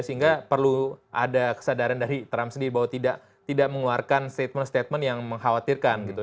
sehingga perlu ada kesadaran dari trump sendiri bahwa tidak mengeluarkan statement statement yang mengkhawatirkan gitu